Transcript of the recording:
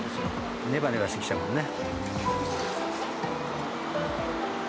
ネバネバしてきちゃうもんね。